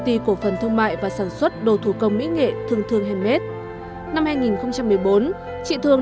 ty cổ phần thương mại và sản xuất đồ thủ công mỹ nghệ thương thương handmade năm hai nghìn một mươi bốn chị thương